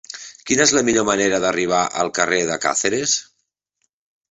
Quina és la millor manera d'arribar al carrer de Càceres?